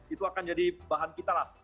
itu akan jadi bahan kita lah